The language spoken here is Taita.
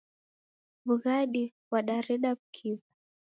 W'ughadi ghwadareda w'ukiw'a